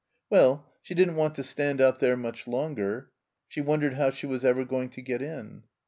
Well, she didn't want to stand out there much longer. She wondered how she was ever going to get in.